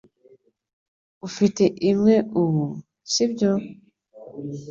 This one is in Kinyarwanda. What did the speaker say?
Ufite imwe ubu, sibyo?